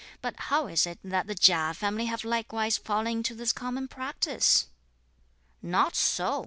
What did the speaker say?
But how is it that the Chia family have likewise fallen into this common practice?" "Not so!"